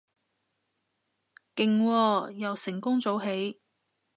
勁喎，又成功早起